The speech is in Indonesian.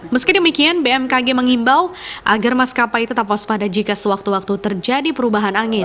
meski demikian bmkg mengimbau agar maskapai tetap waspada jika sewaktu waktu terjadi perubahan angin